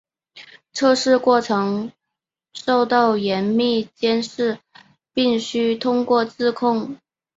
测试过程受到严密监视并须通过质控。